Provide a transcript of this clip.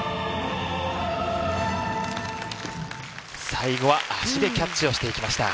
最後は足でキャッチをしていきました。